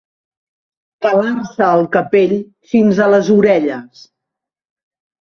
Calar-se el capell fins a les orelles.